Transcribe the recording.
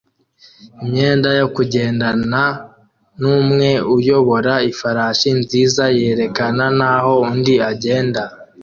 imyenda yo kugendana numwe uyobora ifarashi nziza yerekana naho undi agenda